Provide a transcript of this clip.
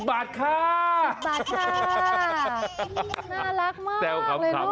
๑๐บาทค่าน่ารักมาก